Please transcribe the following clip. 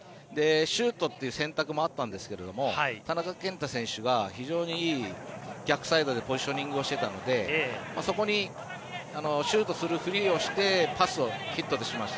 シュートという選択もあったんですが田中健太選手が非常によく、逆サイドでポジショニングをしていたのでそこにシュートするふりをしてパスをヒットしました。